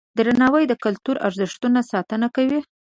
درناوی د کلتوري ارزښتونو ساتنه کوي.